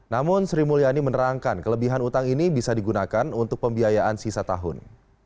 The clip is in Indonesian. namun sri mulyani menerangkan kelebihan utang ini bisa digunakan untuk pembiayaan sisa tahun